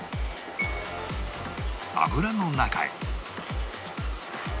油の中へ